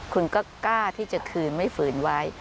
คุณก็กล้าที่จะคืนไม่ฝืนไว้